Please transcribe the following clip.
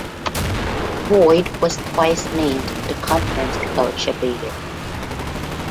Boyd was twice named the conference Coach of the Year.